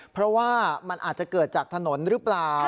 เพราะว่ามันอาจจะเกิดจากถนนหรือเปล่า